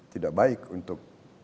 tidak baik untuk